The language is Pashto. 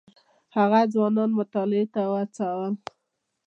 هغه ځوانان مطالعې ته وهڅول.